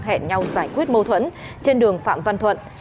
hẹn nhau giải quyết mâu thuẫn trên đường phạm văn thuận